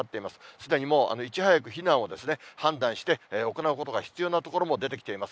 すでにもういち早く避難を判断して、行うことが必要な所も出てきています。